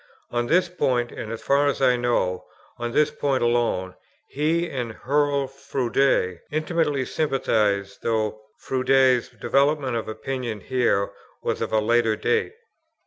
On this point, and, as far as I know, on this point alone, he and Hurrell Froude intimately sympathized, though Froude's development of opinion here was of a later date.